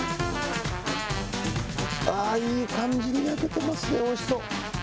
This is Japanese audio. ああ、いい感じに焼けてますよ、おいしそう。